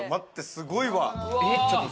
すごいわ。